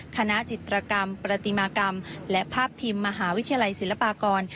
คณะจิตรกรรมประติมากรรมและภาพพิมพ์มหาวิทยาลัยศิลปากร